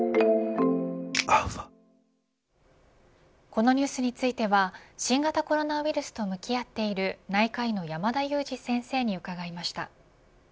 このニュースについては新型コロナウイルスと向き合っている内科医の山田悠史先生に伺いました。